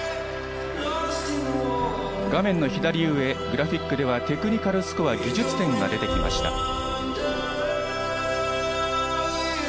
画面の左上、グラフィックではテクニカルスコア、技術点が出てきました。